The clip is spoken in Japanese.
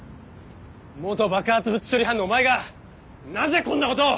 元爆発物処理班のお前がなぜこんな事を！？